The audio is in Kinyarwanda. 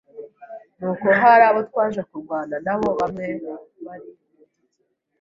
nuko hari abo twaje kurwana nabo bamwe bari mu giti